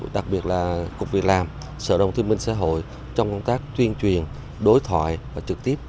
đặc biệt là cục việc làm sở đồng thương minh xã hội trong công tác tuyên truyền đối thoại và trực tiếp